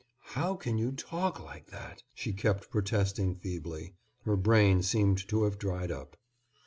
"How can you talk like that?" she kept protesting feebly. Her brain seemed to have dried up.